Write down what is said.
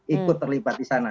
ikut terlibat di sana